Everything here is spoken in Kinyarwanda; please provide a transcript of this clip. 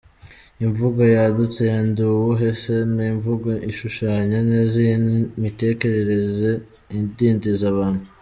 Imvugo yadutse ya “Ndi uwuhe se”? Ni imvugo ishushanya neza iyi mitekerereze idindiza abantu.